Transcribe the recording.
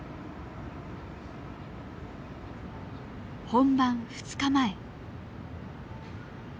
本番２日前。